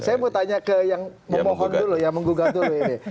saya mau tanya ke yang memohon dulu yang menggugat dulu ini